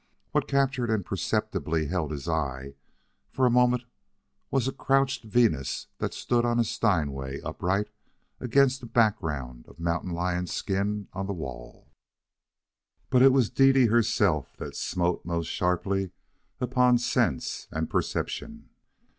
What captured and perceptibly held his eye for a moment was a Crouched Venus that stood on a Steinway upright against a background of mountain lion skin on the wall. But it was Dede herself that smote most sharply upon sense and perception.